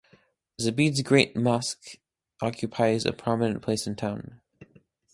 Zabid's Great Mosque occupies a prominent place in the town.